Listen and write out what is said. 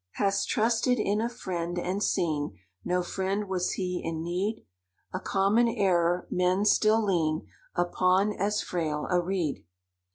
"Hast trusted in a friend, and seen No friend was he in need? A common error—men still lean Upon as frail a reed.